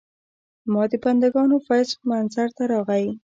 د ما بندګانو فیض منظر ته راغی.